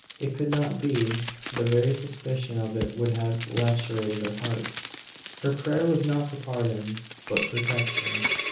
It could not be. The very suspicion of it would have lacerated her heart. Her prayer was not for pardon, but protection.